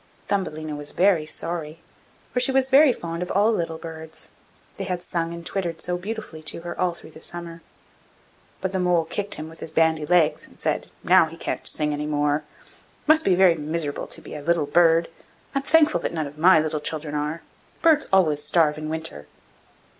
Thumbelina was very sorry, for she was very fond of all little birds; they had sung and twittered so beautifully to her all through the summer. But the mole kicked him with his bandy legs and said: 'Now he can't sing any more! It must be very miserable to be a little bird! I'm thankful that none of my little children are; birds always starve in winter.